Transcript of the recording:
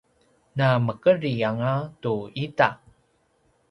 na mekedri anga tu ita